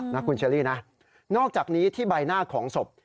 นะคุณเชอรี่นะนอกจากนี้ที่ใบหน้าของศพ